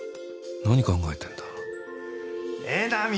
何考えてんだ